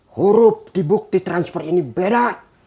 huruf di bukti transfer ini beda